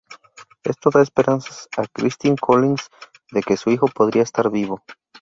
Esto da esperanzas a Christine Collins de que su hijo podría estar vivo.